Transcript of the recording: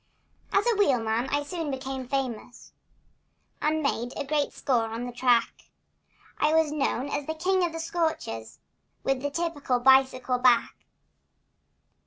As a wheelman I soon became famous And made a great score on the track— I was known as the king of the scorchers, With the typical bicycle back.